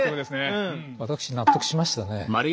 私納得しましたね。